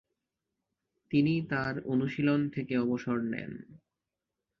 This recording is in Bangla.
তিনি তার অনুশীলন থেকে অবসর নেন।